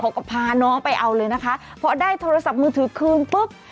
พาน้องไปเอาเลยนะคะพอได้โทรศัพท์มือถือคืนปุ๊บ